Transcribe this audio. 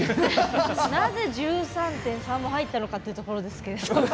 なぜ１３．３も入ったのかっていうところですけれど。